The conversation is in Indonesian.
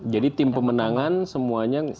jadi tim pemenangan semuanya ngumpul